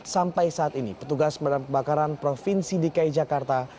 sampai saat ini petugas perbacaran provinsi dki jakarta